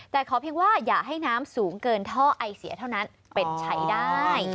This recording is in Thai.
แต่ขอเพียงว่าอย่าให้น้ำสูงเกินท่อไอเสียเท่านั้นเป็นใช้ได้